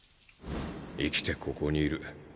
生きてここにいる。